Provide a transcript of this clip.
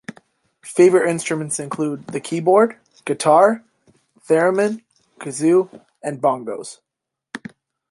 Favourite instruments include the keyboard, guitar, theremin, kazoo and bongos.